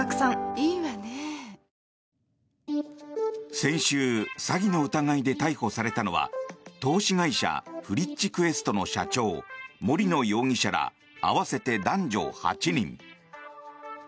先週詐欺の疑いで逮捕されたのは投資会社フリッチクエストの社長森野容疑者ら合わせて男女８人。